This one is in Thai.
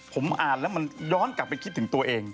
ผมอ่านแล้วมันย้อนกลับไปคิดถึงตัวเอง